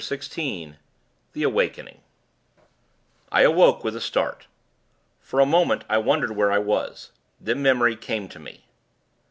XVI THE AWAKENING I awoke, with a start. For a moment, I wondered where I was. Then memory came to me....